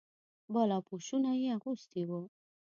بالاپوشونه یې اغوستي وو.